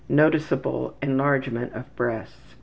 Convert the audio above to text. Noticeable enlargement of breasts.